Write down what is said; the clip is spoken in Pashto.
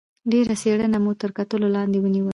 ډېره څېړنه مو تر کتلو لاندې ونیوه.